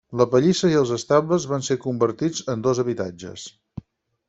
La pallissa i els estables van ser convertits en dos habitatges.